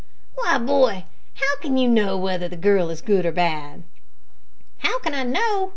"Why, boy, how can you know whether the girl is good or bad?" "How can I know?"